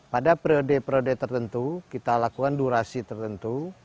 pada periode periode tertentu kita lakukan durasi tertentu